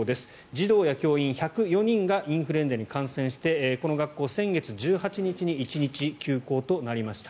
児童や教員１０４人がインフルエンザに感染してこの学校、先月１８日に１日休校となりました。